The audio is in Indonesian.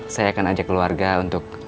saya akan ajak keluarga untuk